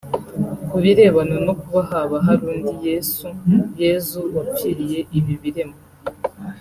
Kubirebana no kuba haba hari undi Yesu/Yezu wapfiriye ibi biremwa